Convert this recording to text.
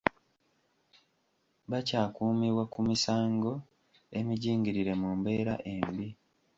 Bakyakuumibwa ku misango emijingirire mu mbeera embi.